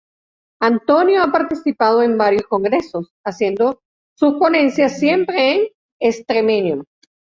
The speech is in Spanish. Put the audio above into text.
Antonio ha participado en varios congresos haciendo sus ponencias siempre en extremeño.